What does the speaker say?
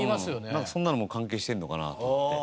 なんかそんなのも関係してるのかなと思って。